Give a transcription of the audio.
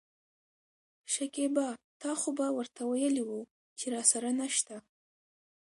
شکيبا : تا خو به ورته وويلي وو چې راسره نشته.